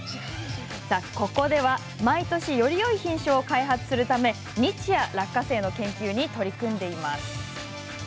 ここでは毎年よりよい品種を開発するため日夜、落花生の研究に取り組んでいます。